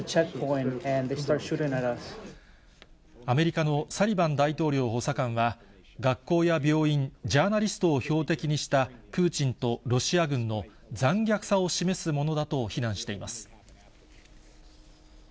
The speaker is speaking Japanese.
アメリカのサリバン大統領補佐官は、学校や病院、ジャーナリストを標的にしたプーチンとロシア軍の残虐さを示すものだと非難しています。